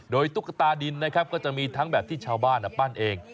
โดยตุ๊กตาดินนะครับก็จะมีทั้งแบบที่ชาวบ้านปั้นเอง